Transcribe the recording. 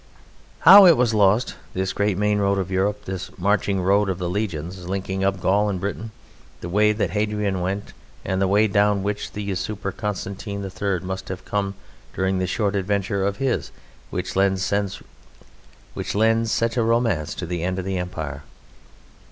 How was it lost, this great main road of Europe, this marching road of the legions, linking up Gaul and Britain, the way that Hadrian went, and the way down which the usurper Constantine III must have come during that short adventure of his which lends such a romance to the end of the Empire?